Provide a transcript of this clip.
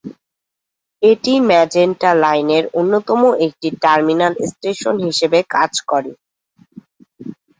এটি ম্যাজেন্টা লাইনের অন্যতম একটি টার্মিনাল স্টেশন হিসাবে কাজ করে।